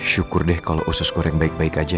syukur deh kalau usus goreng baik baik aja